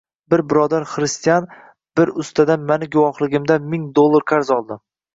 Bir birodar xristian bir ustadan mani guvohligimda ming dollar qarz oldi.